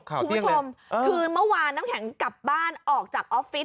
คือเมื่อวานน้องแแข่งกลับบ้านออกจากออฟฟิศ